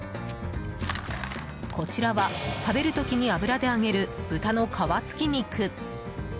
こちらは、食べる時に油で揚げる豚の皮つき肉。